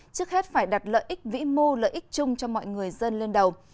trước hết phải đặt lợi ích vĩ mô lợi ích chung cho mọi người dân lên đầu